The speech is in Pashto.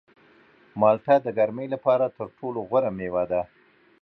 مالټه د ګرمۍ لپاره تر ټولو غوره مېوه ده.